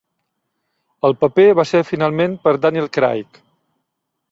El paper va ser finalment per Daniel Craig.